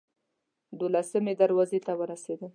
دولسمې دروازې ته ورسېدم.